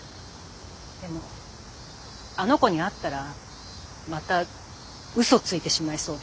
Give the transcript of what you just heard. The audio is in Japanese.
でもあの子に会ったらまたうそついてしまいそうで。